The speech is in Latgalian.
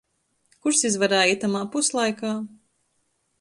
Kurs izvarēja itamā puslaikā?